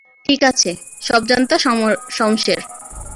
ঠিক আছে, সব জান্তা শমশের!